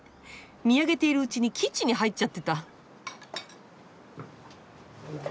見上げているうちにキッチンに入っちゃってた。